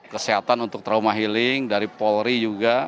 kesehatan untuk trauma healing dari polri juga